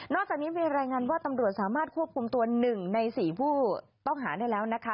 จากนี้มีรายงานว่าตำรวจสามารถควบคุมตัว๑ใน๔ผู้ต้องหาได้แล้วนะคะ